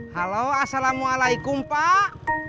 halo assalamualaikum pak